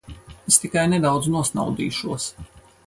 Es tikai nedaudz nosnaudīšos.